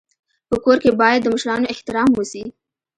په کور کي باید د مشرانو احترام وسي.